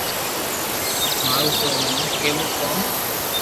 مارو ٿو مون ڪيوہ ڪوم